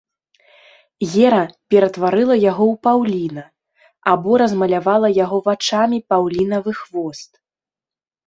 Гера ператварыла яго ў паўліна, або размалявала яго вачамі паўлінавы хвост.